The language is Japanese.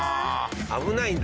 危ないんだ。